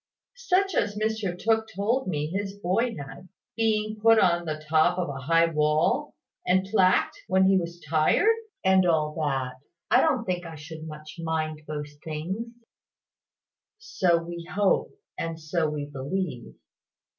"Such as Mr Tooke told me his boy had; being put on the top of a high wall, and plagued when he was tired: and all that. I don't think I should much mind those things." "So we hope, and so we believe.